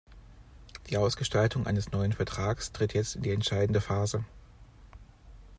Die Ausgestaltung eines neuen Vertrags tritt jetzt in die entscheidende Phase.